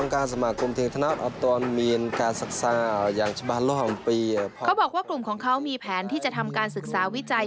เขาบอกว่ากลุ่มของเขามีแผนที่จะทำการศึกษาวิจัย